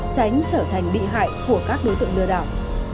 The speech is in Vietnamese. tránh trở thành bị hại của các đối tượng lừa đảo